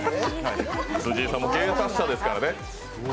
辻井さんも芸達者ですからね。